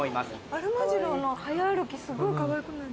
アルマジロの早歩きすごいかわいくない？